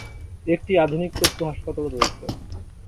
একটি আধুনিক চক্ষু হাসপাতাল রয়েছে।